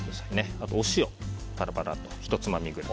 あとお塩パラパラッとひとつまみ分。